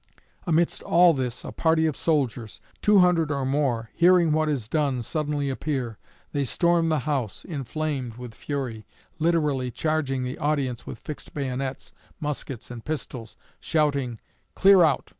Amidst all this, a party of soldiers, two hundred or more, hearing what is done, suddenly appear; they storm the house, inflamed with fury, literally charging the audience with fixed bayonets, muskets, and pistols, shouting, 'Clear out!